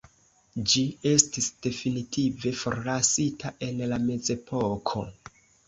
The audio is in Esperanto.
Ĝi estis definitive forlasita en la mezepoko.